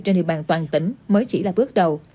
trên địa bàn toàn tỉnh mới chỉ là bước đầu